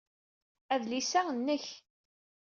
Adlis-a nnek.